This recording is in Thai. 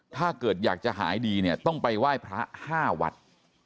ถ้าเกิดอยากจะหายดีเนี่ยต้องไปไหว้พระ๕วัด